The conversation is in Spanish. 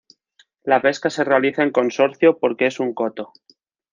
La pesca se realiza en consorcio, porque es un coto.